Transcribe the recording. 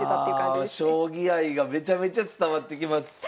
いやあ将棋愛がめちゃくちゃ伝わってきます。